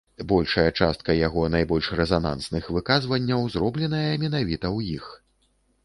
Большая частка яго найбольш рэзанансных выказванняў зробленая менавіта ў іх.